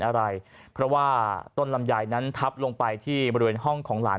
อะไรเพราะว่าต้นลำไยนั้นทับลงไปที่บริเวณห้องของหลาน